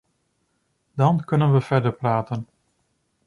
Dan kunnen we verder praten.